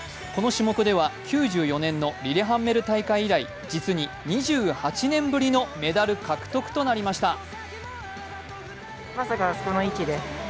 この種目では９４年のリレハンメル大会以来実に２８年ぶりのメダル獲得となりました。